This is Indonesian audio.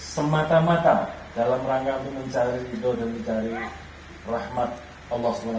semata mata dalam rangka mencari hidup dan mencari rahmat allah swt